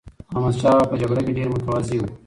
احمدشاه بابا په جګړه کې ډېر متواضع و.